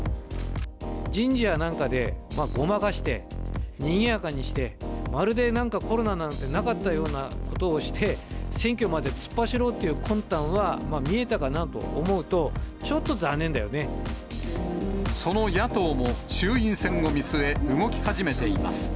人事やなんかでごまかして、にぎやかにして、まるでなんかコロナなんてなかったようなことをして、選挙まで突っ走ろうっていう魂胆は見えたかなと思うと、ちょっとその野党も衆院選を見据え、動き始めています。